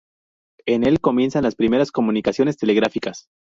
En el comienzan las primeras comunicaciones telegráficas.